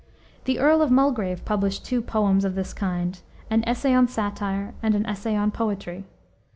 The Earl of Mulgrave published two "poems" of this kind, an Essay on Satire, and an Essay on Poetry.